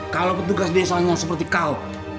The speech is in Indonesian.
kalau petugas desanya seperti kau